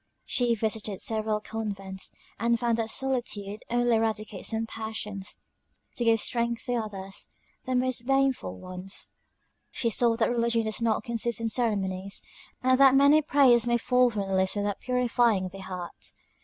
She visited several convents, and found that solitude only eradicates some passions, to give strength to others; the most baneful ones. She saw that religion does not consist in ceremonies; and that many prayers may fall from the lips without purifying the heart.